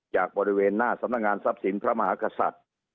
จากบริเวณหน้าสำนักงานทรัพย์สินพระมหากษัตริย์